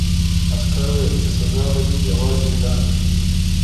عسکر وویل چې سزا به دې یوازې اعدام وي